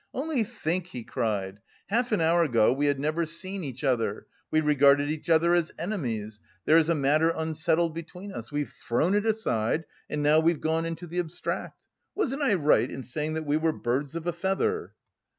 "Only think," he cried, "half an hour ago we had never seen each other, we regarded each other as enemies; there is a matter unsettled between us; we've thrown it aside, and away we've gone into the abstract! Wasn't I right in saying that we were birds of a feather?"